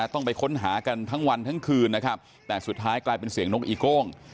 ต้องไปค้นหากันทั้งวันทั้งคืนนะครับแต่สุดท้ายกลายเป็นเสียงนกอีโก้ง